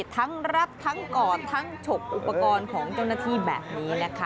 ทั้งรัดทั้งกอดทั้งฉกอุปกรณ์ของเจ้าหน้าที่แบบนี้นะคะ